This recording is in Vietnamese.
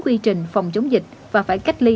quy trình phòng chống dịch và phải cách ly